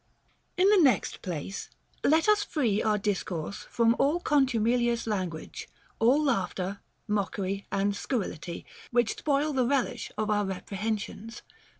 In the next place, let us free our discourse from all contumelious language, all laughter, mockery, and scur rility, which spoil the relish of our reprehensions.